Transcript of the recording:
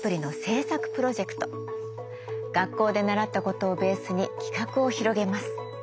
学校で習ったことをベースに企画を広げます。